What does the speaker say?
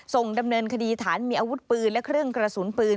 ส่งดำเนินคดีฐานมีอาวุธปืนและเครื่องกระสุนปืน